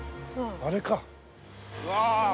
あれか。